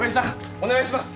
お願いします